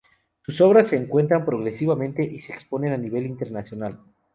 Sus obras se estructuran progresivamente y se exponen a nivel internacional.